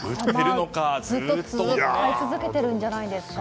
ずっと使い続けているんじゃないんですか。